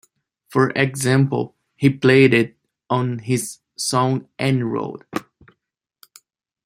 For example, he played it on his song Any Road.